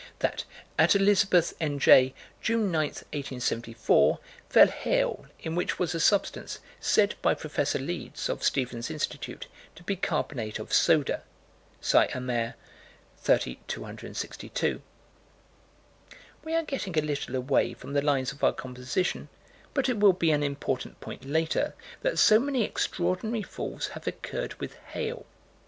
That, at Elizabeth, N.J., June 9, 1874, fell hail in which was a substance, said, by Prof. Leeds, of Stevens Institute, to be carbonate of soda (Sci. Amer., 30 262). We are getting a little away from the lines of our composition, but it will be an important point later that so many extraordinary falls have occurred with hail.